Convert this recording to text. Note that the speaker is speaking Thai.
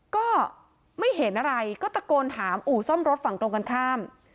ก็ไม่เห็นอะไรก็ตะโกนถามอู่ซ่อมรถฝั่งตรงกันข้าม